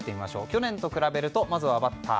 去年と比べるとまずはバッター。